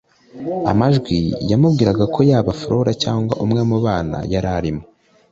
amajwi yamubwira ko yaba flora cyangwa umwe mubana yari arimo